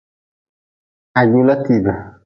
Ha jula tiibe.